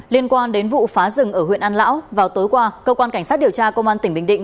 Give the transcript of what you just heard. liên quan đến vụ phá rừng ở huyện an lão vào tối qua cơ quan cảnh sát điều tra công an tỉnh bình định